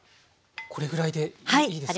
これぐらいでいいですか？